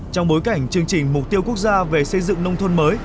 trong bối cảnh chương trình mục tiêu quốc gia về xây dựng nông thôn mới